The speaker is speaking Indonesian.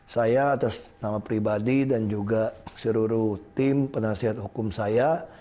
saya atas nama pribadi dan juga seluruh tim penasihat hukum saya